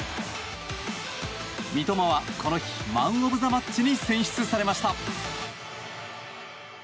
三笘はこの日マン・オブ・ザ・マッチに選出されました。